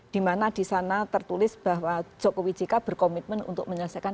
dimana disana tertulis bahwa jokowi jk berkomitmen untuk menyelesaikan